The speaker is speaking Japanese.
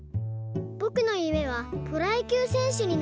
「ぼくのゆめはプロやきゅうせんしゅになることです。